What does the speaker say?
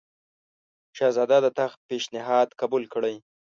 شهزاده د تخت پېشنهاد قبول کړي.